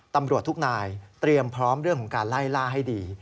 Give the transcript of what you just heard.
ตำรวจทุกนายเตรียมพร้อมเรื่องของการไล่ล่าให้ดี